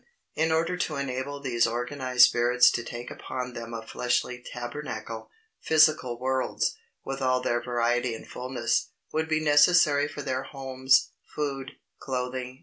In order to enable these organized spirits to take upon them a fleshly tabernacle, physical worlds, with all their variety and fulness, would be necessary for their homes, food, clothing, &c.